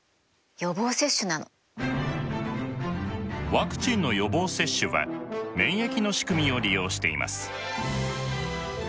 ワクチンの予防接種は免疫の仕組みを利用しています。